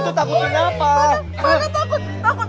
lo tuh takut kenapa